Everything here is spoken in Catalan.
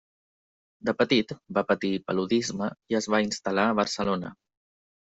De petit va patir paludisme i es va instal·lar a Barcelona.